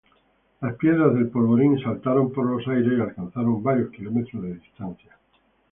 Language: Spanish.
Las piedras del polvorín saltaron por los aires y alcanzaron varios kilómetros de distancia.